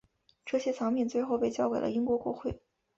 这些藏品最后被交给了英国国会。